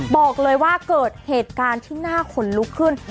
บอกเลยว่าเกิดเหตุการณ์ที่น่าขนลุกขึ้น